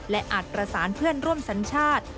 และอาจประสานเพื่อนร่วมสัญชาติ